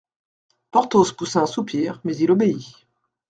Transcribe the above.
Porthos poussa un soupir, mais il obéit.